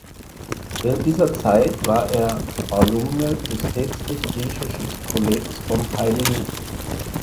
Während dieser Zeit war er Alumne des Päpstlichen Griechischen Kollegs vom Hl.